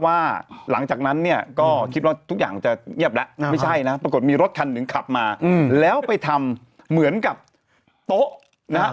ไม่ใช่นะปรากฏมีรถคันหนึ่งขับมาแล้วไปทำเหมือนกับโต๊ะนะครับ